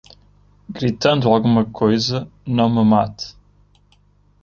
Gritando alguma coisa, não me mate